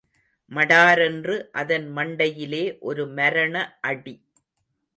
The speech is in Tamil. மடாரென்று அதன் மண்டையிலே ஒரு மரண அடி.